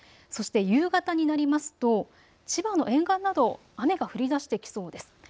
そして夕方になりますと千葉の沿岸など雨が降りだしてきそうです。